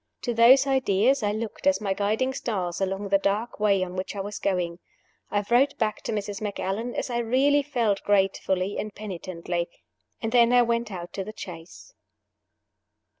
To those ideas I looked as my guiding stars along the dark way on which I was going. I wrote back to Mrs. Macallan, as I really felt gratefully and penitently. And then I went out to the chaise.